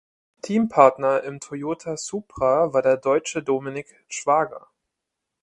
Teampartner im Toyota Supra war der deutsche Dominik Schwager.